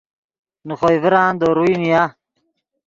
نے خوئے ڤران دے روئے نیا